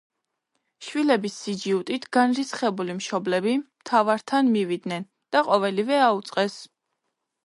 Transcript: შვილების სიჯიუტით განრისხებული მშობლები მთავართან მივიდნენ და ყოველივე აუწყეს.